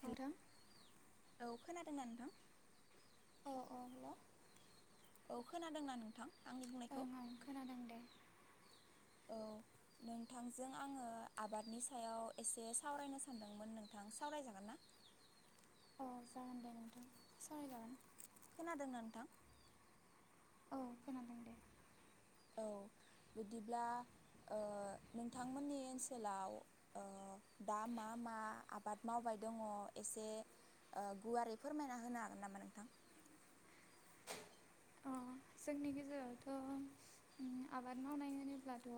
नोंथां औ खोनादोंना नोंथां? औ खोनादोंना नोंथां? ओं ओं खोनादों दे। औ नोंथांजों आङो आबादनि सायाव एसे सावरायनो सानदोंमोन नोंथां सावरायजागोन ना? अ जागोन दे नोंथां सावराय जागोन। खोनादोंना नोंथां? औ खोनादों दे। औ बिदिब्ला ओ नोंथांमोननि ओनसोलाव ओ दा मा मा आबाद मावबाय दङ' एसे ओ गुवारै फोरमायना होनो हागोन नामा नोंथां? जोंनि गेजेरावथ' उम आबाद मावनाय होनोब्लाथ'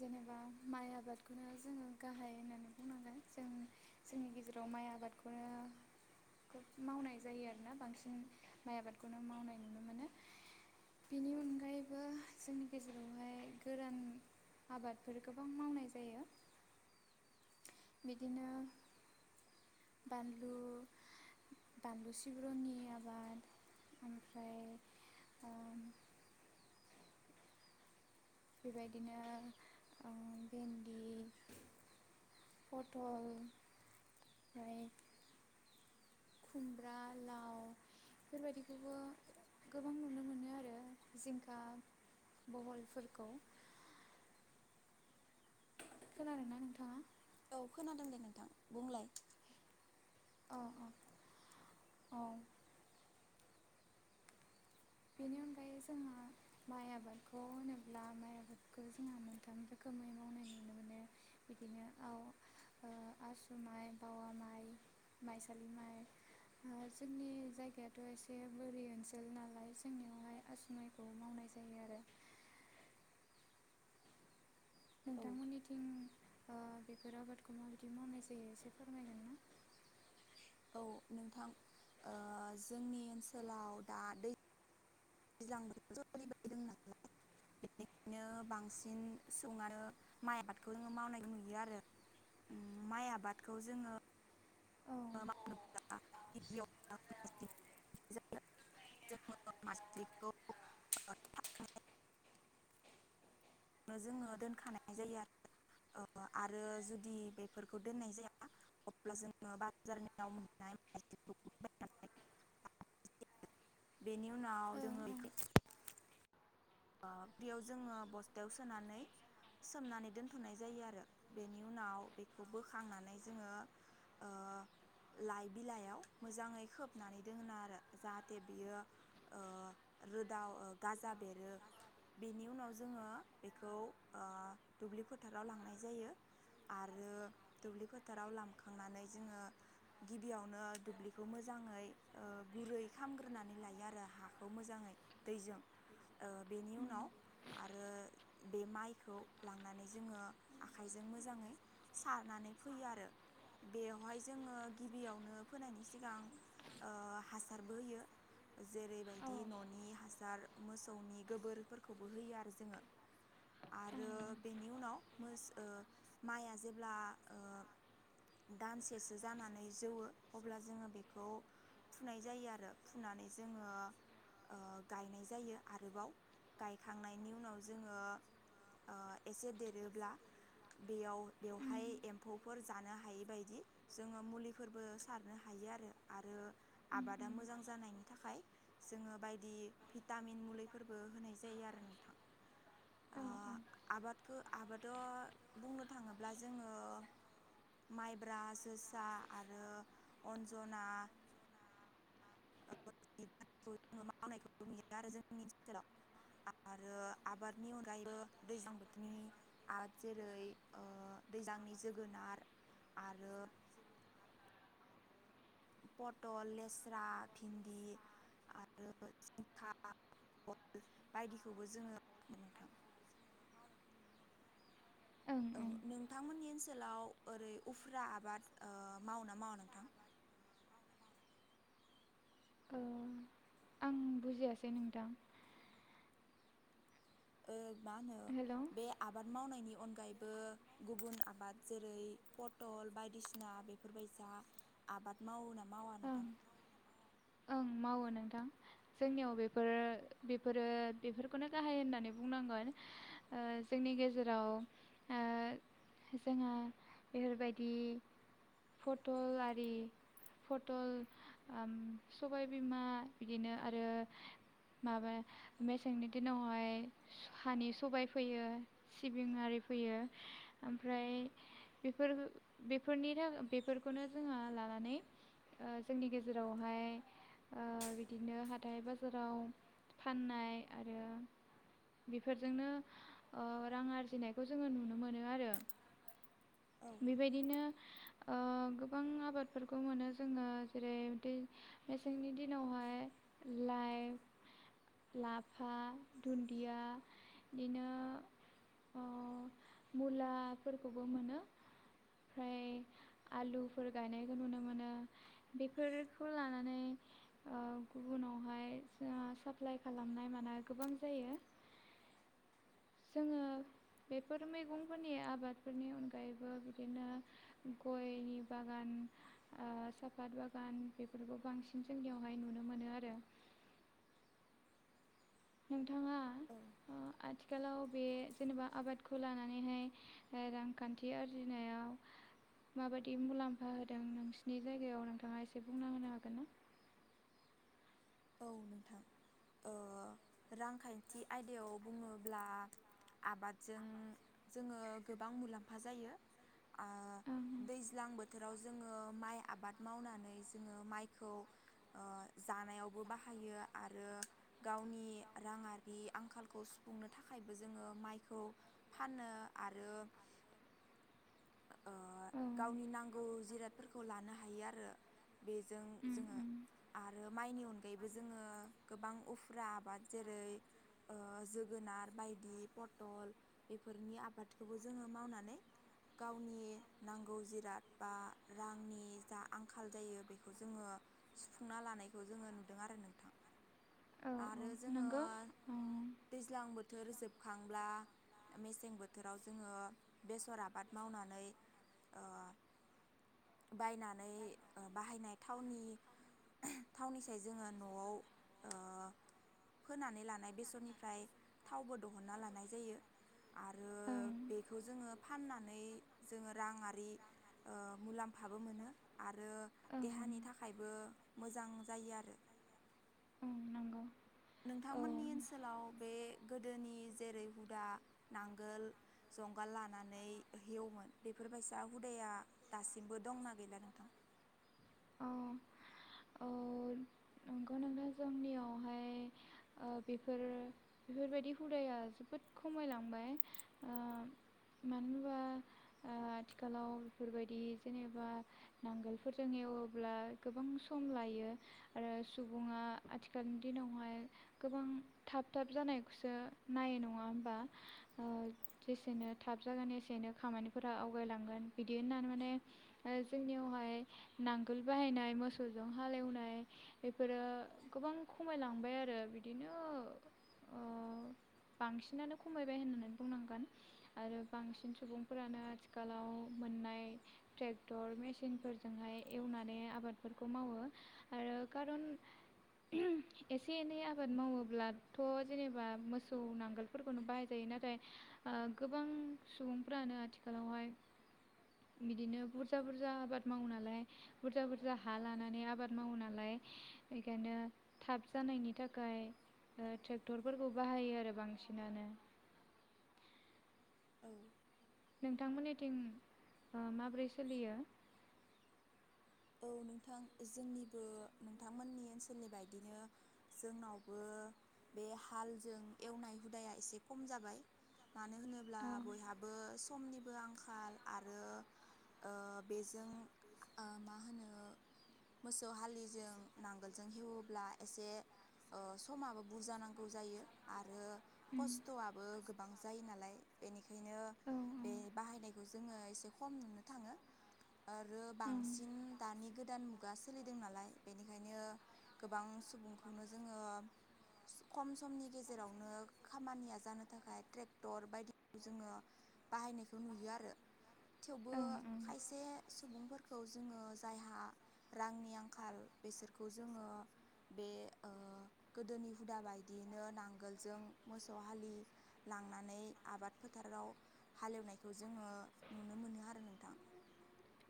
जेनेबा माइ आबादखौनो जोङो गाहाय होननानै बुंनांगोन। जों जोंनि गेजेराव माइ आबादखौनो खोब मावनाय जायो आरोना बांसिन माइ आबादखौनो मावनाय नुनो मोनो। बेनि अनगायैबो जोंनि गेजेरावहाय गोरान आबादफोर गोबां मावनाय जायो बिदिनो बानलु, बानलु सिब्र'नि आबाद ओमफ्राय ओ बेबायदिनो ओ भिन्दि, पथल ओमफ्राय, खुमब्रा लाव बेफोर बायदिखौबो गोबां नुनो मोनो आरो जिंखा बहलफोरखौ, खोनादों ना नोंथाङा, औ खोनादों दे नोंथां बुंलाय औ औ औ बेनि अनगायै जोंहा माइ आबादखौ होनोब्ला माइ आबादखौ जोंहा मोनथाम रोखोमै मावनाय नुनो मोनो बिदिनो आव ओ आसु माइ, बावा माइ, माइसालि माइ जोंनि जायगायाथ' एसे बोरि ओनसोल नालाय जोंनियावहाय आसुमाइखौ मावनाय जायो आरो। नोंथां मोननिथिं ओ बेफोर आबादखौ माबायदि मावनाय जायो एसे फोरमायगोन ना? औ नोंथां ओ जोंनि ओनसोलाव दा दै ज्लां [inaudible] बांसिन सुबुङानो माइ आबादखौ जोङो मावनाय नुयो आरो माइ आबादखौ जोङो [inaudible] नो जोङो दोनखानाय जायो आरो आरो जुदि बेफोरखौ दोननाय जाया अब्ला जोङो बाजारनियाव मोननाय [inaudible] बेनि उनाव जोङो [inaudible] ओ बेयाव जोङो बस्थायाव सोनानै सोमनानै दोनथ'नाय जायो आरो बेनि उनाव बेखौ बोखांनानै जोङो ओ लाइ बिलाइयाव मोजाङै खोबनानै दोनो आरो जाहाथे बियो ओ रोदा ओ गाजा बेरो बेनि उनाव जोङो बेखौ अ दुब्लि फोथाराव लांनाय जायो आरो दुब्लि फोथाराव लामखांनानै जोङो गिबियावनो दुब्लिखौ मोजाङै ओ गुरै खालामग्रोनानै लायो आरो हाखौ मोजाङै दैजों। बेनि उनाव आरो बे माइखौ लांनानै जोङो आखाइजों मोजाङै सारनानै फोयो आरो बेवहाय जोङो गिबियावनो फोनायनि सिगां अ हासारबो होयो। जेरैबायदि न'नि हासार मोसौनि गोबोरफोरखौबो होयो आरो जोङो। आरो बेनि उनाव मोस ओ माइआ जेब्ला ओ दानसेसो जानानै जौवो अब्ला जोङो बेखौ फुनाय जायो आरो फुनानै जोङो ओ गायनाय जायो। आरोबाव गायखांनायनि उनाव जोङो ओ एसे देरोब्ला बेयाव बेवहाय एम्फौफोर जानो हायैबायदि जोङो मुलिफोरबो सारनो हायो आरो आरो आबादा मोजां जानायनि थाखाय जोङो बायदि भिटा मिन मुलिफोरबो होनाय जायो आरो नोंथां। अ आबादखौ आबादाव बुंनो थाङोब्ला जोङो माइब्रा, जोसा आरो अन्जना [inaudible] जोङो मावनायखौबो नुयो आरो जोंनि [inaudible] आरो आबादनि अनगायैबो दैज्लां बोथोरनि आ जेरै दैज्लांनि जोगोनार आरो पटल, लेस्रा, भिन्दि आरो जिंखा, भल बायदिखौबो जोङो मोनो नोंथां। औ नोंथांमोननि ओनसोलाव ओरै उफ्रा आबाद मावो ना मावा नोंथां? औ आं बुजियासै नोंथां ओ मा होनो बे आबाद मावनायनि अनगायैबो गुबुन आबाद जेरै पटल बायदिसिना बेफोरबायसा आबाद मावो नामा ओं ओं मावो नोंथां जोंनियाव बेफोरो बेफोरो बेफोरखौनो गाहाय होननानै बुंनांगोन ओ जोंनि गेजेराव ओ जोंहा बेफोरबायदि फटल आरि फटल ओम सबायबिमा बिदिनो आरो माबा मेसेंनि दिनावहाय हानि सबाय फैयो सिबिंआरि फैयो ओमफ्राय बेफोर बेफोरनि थाखा बेफोरखौनो जोङो लानानै ओ जोंनि गेजेरावहाय ओ बिदिनो हाथाय बाजाराव फाननाय आरो बेफोरजोंनो अ रां आरजिनायखौ जोङो नुनो मोनो आरो बेबायदिनो ओ गोबां आबादफोरखौ मोनो जोङो जेरै मेसेंनि दिनावहाय लाइ, लाफा, दुन्दिया बिदिनो अ मुलाफोरखौबो मोनो ओमफ्राय आलुफोर गायनायखौ नुनो मोनो। बेफोरखौ लानानै ओ गुबुनावहाय ओ साप्लाइ खालामनाय मानाय गोबां जायो। जोङो बेफोर मैगंफोरनि आबादफोरनि अनगायैबो बिदिनो गयनि बागान ओ साफात बागान बेफोरखौ बांसिन जोंनियावहाय नुनो मोनो आरो। [unintelligible] बिथाङा आथिखालाव बे जेनेबा आबादखौ लानानैहाय रांखान्थि आरजिनायाव माबायदि मुलाम्फा होदों नोंसिनि जायगायाव नोंथाङा एसे बुंना होनो हागोन ना? औ नोंथां ओ रांखान्थि आयदायाव बुङोब्ला आबादजों जोङो गोबां मुलाम्फा जायो ओ दैज्लां बोथोर फोराव जोङो माय आबाद मावनानै जोङो मायखौ ओ जानायाव बो बाहायो आरो गावनि राङारि आंखालखौ सुफुंनो थाखायबो जोङो माइखौ फानो आरो ओ गावनि नांगौ जिरादफोरखौ लानो हायो आरो बेजों जोङो आरो माइनि अन गायैबो जोङो गोबां उफेरा आबाद जेरै जोगोनार बायदि पटल बेफोरनि आबादखौबो जोङो मावनानै गावनि नांगौ जिराद बा रांनि जा आंखाल जायो बेखौ जोङो सुफुंना लानायखौ जोङो नु दों आरो नोंथां औ औ नंगौ औ खांब्ला मेसें बोथोराव जोङो बेसर आबाद मावनानै ओ बायनानै ओ बाहायनाय थावनि थावनि फ्राय जोङो न'आव ओ फोनानै लानाय बेसरनिफ्राय थावबो दहन्ना लानाय जायो आरो बेखौ जोङो फाननानै जोङो रां आरि ओ मुलाम्फाबो मोनो आ रो देहानि थाखायबो मोजां जायो ओं नंगौ नोंथांमोननि ओनसोलाव बे गोदोनि जेरै हुदा नांगोल जंगाल लानानै हेवोमोन बेफोरबायसा हुदाया दासिमबो दंना गैला नोंथां औ औ नंगौ नोंथां जोंनियावहाय ओ बेफोर बेफोरबायदि हुदाया जोबोद खमायलांबाय ओ मानो होनबा आथिखालाव बेफोरबायदि जेनेबा नांगोलफोरजों एवो ब्ला गोबां लायो आरो सुबुंआ आथिखालनि दिनावहाय गोबां थाब थाब जानायखौसो नायो नङा होमबा जेसेनो थाब जागोन एसेनो खामानिफोरा आवगायलांगोन बिदि होननानै माने जोंनियावहाय नां गोल बाहायनाय मोसौजों हालेवनाय बेफोरो गोबां खमायलांबाय आरो बिदिनो ओ बांसिनानो खमायबाय होननानै बुंनांगोन आरो बांसिन सुबुंफोरानो आथिखालाव मोननाय ट्रेक्टर मेसिनफोरजोंहाय एवनानै आबादफोरखौ मावो आरो खारन एसे एनै आबाद मावोब्लाथ' जेनेबा मोसौ नांगोलफोरखौनो बाहायजायो नाथाय गोबां सुबुंफ्रानो आथिखालावहाय बिदिनो बुरजा बुरजा आबाद मावो नालाय बुरजा बुरजा हा लानानै आबाद मावो नालाय बेखायनो थाब जानायनि थाखाय ट्रेक्टरफोरखौ बाहायो आरो बांसिनानो औ नोंथांमोननिथिं ओ माबोरै सोलियो? औ नोंथां जोंनिबो नोंथांमोननि ओनसोलनि बायदिनो जोंनावबो बे हालजों एवनाय हुदाया एसे खम जाबाय मानो होनोब्ला बयहाबो समनिबो आंखाल आरो ओ बेजों ओ मा होनो मोसौ हालिजों नांगोलजों हेवोब्ला एसे ओ समाबो बुरजा नांगौ जायो आरो खस्थ'आबो गोबां जायो नालाय बेनिखाय नो ओंखायनो बे बाहायनायखौ जोङो एसे खम नुनो थाङो आरो बां सिन दानि गोदान मुगा सोलिदों नालाय बेनिखायनो गोबां सुबुंखौनो जोङो खम समनि गेजेरावनो खामानिया जानो थाखाय ट्रेक्टर बायदिखौ जोङो बाहायनायखौ नुयो आरो थेवबो खायसे सु खौ जोङो जायहा रांनि आंखाल बेसोरखौ जोङो बे गोदोनि हुदा बायदियैनो नांगोलजों मोसौ हालिलांनानै आबाद फोथाराव हालेवनायखौ जोङो नुनो मोनो आरो नोंथां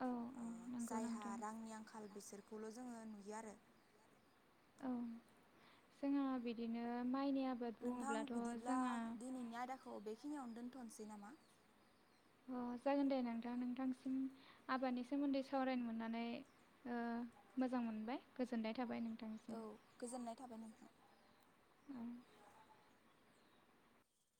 औ ओ जायहा रांनि आंखाल बिसोरखौल जोङो नुयो आरो। औ जोंहा बिदिनो माइनि आ नोंथां बिदिब्ला दिनैनि आयदाखौ बे बेखिनियावनो दोन्थनोसै नामा? अ जागोन दे नोंथां नोंथांसिम आबादनि सोमोन्दै सावरायनो मोननानै ओ मोजां मोनबाय गोजोननाय थाबाय नों औ गोजोननाय थाबाय नोंथां। ओम